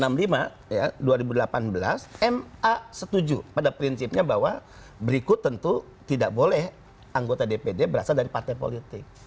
nomor enam puluh lima ya dua ribu delapan belas ma setuju pada prinsipnya bahwa berikut tentu tidak boleh anggota dpd berasal dari partai politik